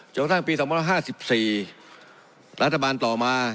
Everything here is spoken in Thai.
กระทั่งปี๒๕๔รัฐบาลต่อมา